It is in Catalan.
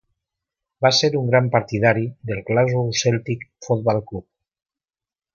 Va ser un gran partidari del Glasgow Celtic Football Club.